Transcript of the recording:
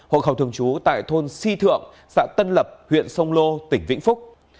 tám mươi chín hội khẩu thường chú tại thôn si thượng xã tân lập huyện sông lô tỉnh vĩnh phúc